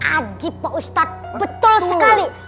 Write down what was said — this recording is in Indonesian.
ajib pak ustadz betul sekali